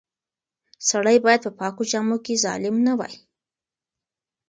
سړی باید په پاکو جامو کې ظالم نه وای.